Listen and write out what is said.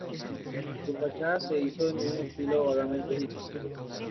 Su fachada se hizo en un estilo vagamente egipcio.